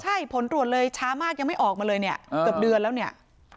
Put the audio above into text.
ใช่ผลตรวจเลยช้ามากยังไม่ออกมาเลยเนี่ยเกือบเดือนแล้วเนี่ย